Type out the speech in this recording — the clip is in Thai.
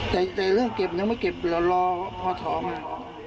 แต่เรื่องเก็บยังไม่เก็บเรารอพอถอมา